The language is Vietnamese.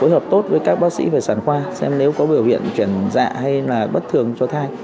hợp tốt với các bác sĩ về sản khoa xem nếu có biểu hiện chuyển dạ hay là bất thường cho thai